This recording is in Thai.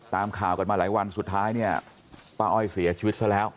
ตามข่าวกันมาหลายวันสุดท้ายเนี่ยป้าอ้อยเสียชีวิตซะแล้ว